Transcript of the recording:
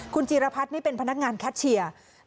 คุณจีรพัฒน์นี่เป็นพนักงานแคชเชียร์